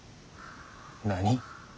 何？